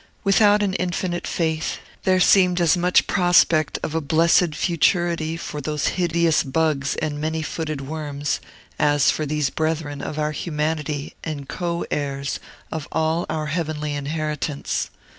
Without an infinite faith, there seemed as much prospect of a blessed futurity for those hideous hugs and many footed worms as for these brethren of our humanity and co heirs of all our heavenly inheritance.